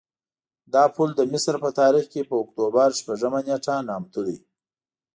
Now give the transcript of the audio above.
دا پل د مصر په تاریخ کې په اکتوبر شپږمه نېټه نامتو دی.